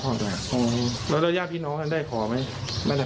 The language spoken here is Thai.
พอตำรวจขอตรวจปัสสาวะรีบปฏิเสธเสียงออยทันทีบอกคุณตำรวจผมทำไม